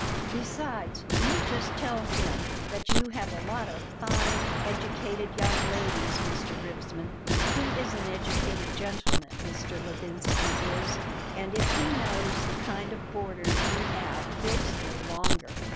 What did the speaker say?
Besides, you just tell him that you have a lot of fine, educated young ladies, Mr. Rivesman. He is an educated gentleman, Mr. Levinsky is, and if he knows the kind of boarders you have he'll stay longer."